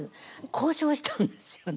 故障したんですよね。